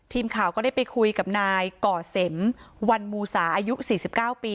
ทีมข่าวก็ได้ไปคุยกับนายก่อเสมวันมูสาอายุ๔๙ปี